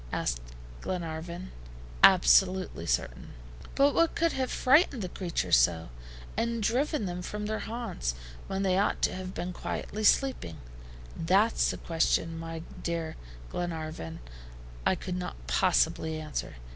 asked Glenarvan. "Absolutely certain." "But what could have frightened the creatures so, and driven them from their haunts, when they ought to have been quietly sleeping?" "That's a question, my dear Glenarvan, I could not possibly answer.